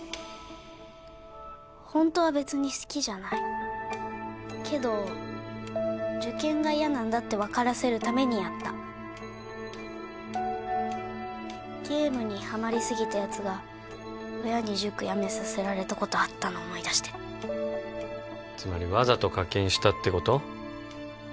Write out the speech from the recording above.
ホントは別に好きじゃないけど受験が嫌なんだって分からせるためにやったゲームにハマりすぎたやつが親に塾やめさせられたことあったの思い出してつまりわざと課金したってこと？